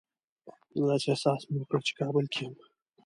داسې احساس مې وکړ چې کابل کې یم.